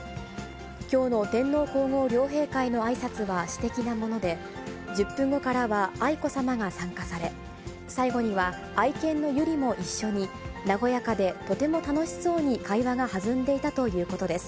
きょうの天皇皇后両陛下へのあいさつは私的なもので、１０分後からは、愛子さまが参加され、最後には愛犬の由莉も一緒に、和やかでとても楽しそうに会話がはずんでいたということです。